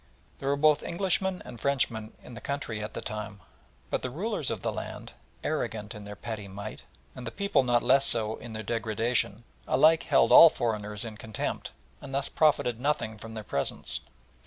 There were both Englishmen and Frenchmen in the country at the time, but the rulers of the land, arrogant in their petty might, and the people not less so in their degradation, alike held all foreigners in contempt, and thus profited nothing from their presence.